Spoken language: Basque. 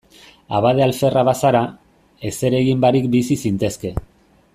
Abade alferra bazara, ezer egin barik bizi zintezke.